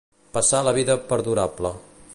Passar la vida perdurable.